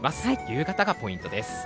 夕方がポイントです。